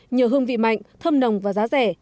nhờ hương vị mạnh thơm nồng và giá rẻ